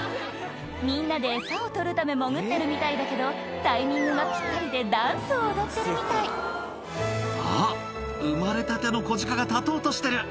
みんなでエサを取るため潜ってるみたいだけどタイミングがピッタリでダンスを踊ってるみたい「あっ生まれたての子鹿が立とうとしてる」